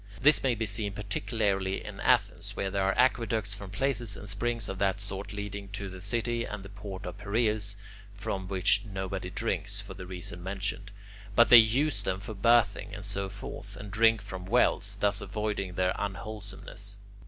This may be seen particularly in Athens, where there are aqueducts from places and springs of that sort leading to the city and the port of Piraeus, from which nobody drinks, for the reason mentioned, but they use them for bathing and so forth, and drink from wells, thus avoiding their unwholesomeness.